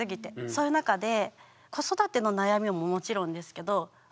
そういう中で子育ての悩みももちろんですけどあ